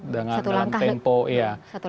satu langkah lebih awal